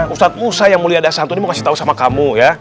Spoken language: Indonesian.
ustadz musa yang mulia dasar ini mau kasih tau sama kamu ya